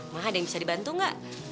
mah ada yang bisa dibantu nggak